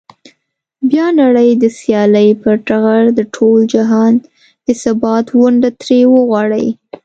بیا نړۍ د سیالۍ پر ټغر د ټول جهان د ثبات ونډه ترې وغواړي.